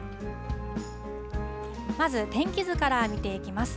まず天気図から見ていきます。